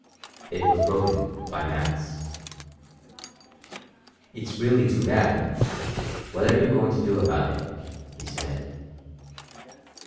It was broken by Max "It's really too bad. What are you going to do about it?" he said.